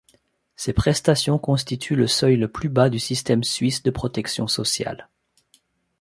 Ces prestations constituent le seuil le plus bas du système suisse de protection sociale.